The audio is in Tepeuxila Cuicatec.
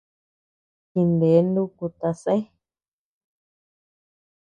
Jine nuku tasé.